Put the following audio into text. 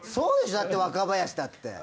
だって若林だって。